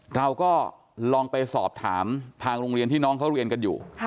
เราก็ลองไปสอบถามทางโรงเรียนที่น้องเขาเรียนกันอยู่